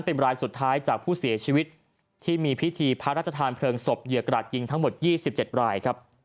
เป็นรายสุดท้ายจากผู้เสียชีวิตที่มีพิธีพระราชทานเพลิงศพเหยื่อกระดาษยิงทั้งหมด๒๗รายครับ